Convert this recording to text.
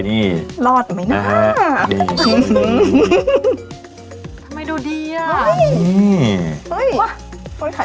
รอดไหมนะ